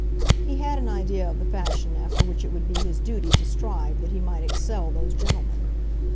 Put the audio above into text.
He had an idea of the fashion after which it would be his duty to strive that he might excel those gentlemen.